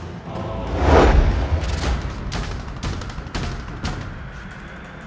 mas raya rarasanta